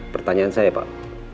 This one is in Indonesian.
pertanyaan saya pak